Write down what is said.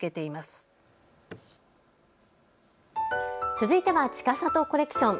続いては、ちかさとコレクション。